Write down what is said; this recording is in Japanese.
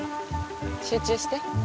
集中して。